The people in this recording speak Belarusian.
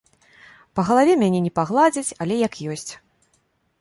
Па галаве мяне не пагладзяць, але як ёсць.